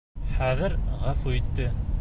Хәҙер ғәфү итте.